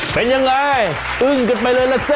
เป็นยังไงอึ้งกันไปเลยล่ะสิ